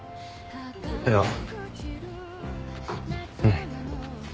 いやうん。